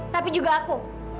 tapi juga aku